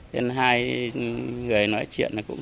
nên hai người nói chuyện